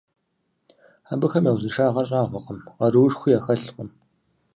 Абыхэм я узыншагъэр щӀагъуэкъым, къаруушхуи яхэлъкъым.